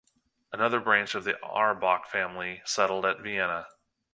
Another branch of the Auerbach family settled at Vienna.